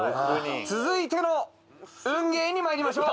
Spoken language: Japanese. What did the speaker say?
続いての運ゲーに参りましょう。